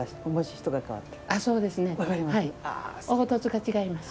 はい凹凸が違います。